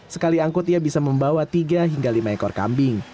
sekali angkut ia bisa membawa tiga hingga lima ekor kambing